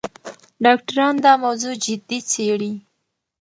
ډاکټران دا موضوع جدي څېړي.